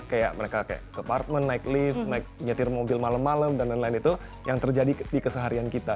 kayak mereka kayak ke partment naik lift naik nyetir mobil malam malam dan lain lain itu yang terjadi di keseharian kita